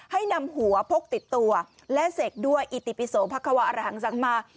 ให้นำหัวพกติดตัวและเสกด้วยอิติปิโสพระควะอรหังสังมา